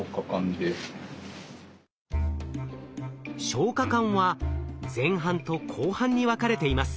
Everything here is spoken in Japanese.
消化管は前半と後半に分かれています。